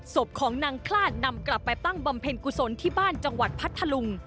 ศพของนางคลาดนำกลับไปตั้งบำเพ็ญกุศลที่บ้านจังหวัดพัทธลุง